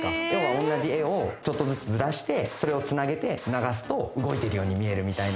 おんなじ絵をちょっとずつずらしてそれをつなげて流すと動いているように見えるみたいな。